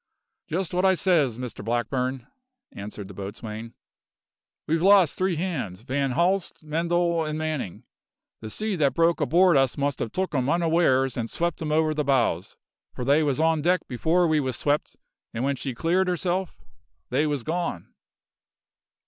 "Just what I says, Mr Blackburn," answered the boatswain. "We've lost three hands Van Haalst, Mendal, and Manning. The sea that broke aboard us must have took 'em unawares and swept 'em over the bows, for they was on deck before we was swept, and when she cleared herself they was gone!"